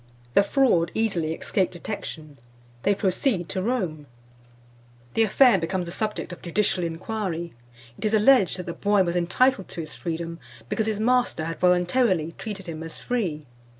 The fraud easily escaped detection. They proceed to Rome; the affair becomes the subject of judicial inquiry; it is alleged that the boy was entitled to his freedom, because his master had voluntarily treated him as free."